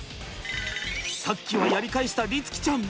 さっきはやり返した律貴ちゃん。